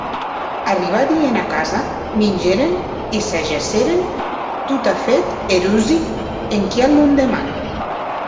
Arribadi ena casa, mingèren e s’ajacèren, totafèt erosi, enquia londeman.